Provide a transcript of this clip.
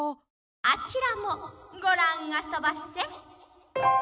「あちらもごらんあそばせ！」。